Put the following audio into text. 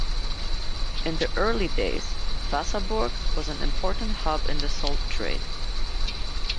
In the early days, Wasserburg was an important hub in the salt trade.